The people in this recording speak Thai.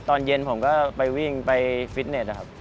ตอนเย็นผมก็ไปวิ่งไปฟิตเน็ตนะครับ